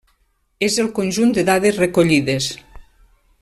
És el conjunt de dades recollides.